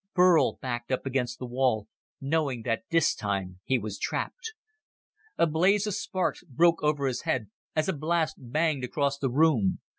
Burl backed up against the wall, knowing that this time he was trapped. A blaze of sparks broke over his head as a blast banged across the room.